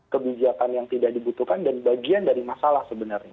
kebijakan yang tidak dibutuhkan dan bagian dari masalah sebenarnya